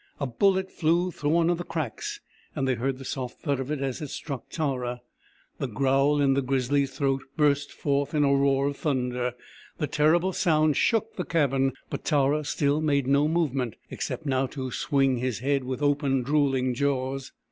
A bullet flew through one of the cracks, and they heard the soft thud of it as it struck Tara. The growl in the grizzly's throat burst forth in a roar of thunder. The terrible sound shook the cabin, but Tara still made no movement, except now to swing his head with open, drooling jaws.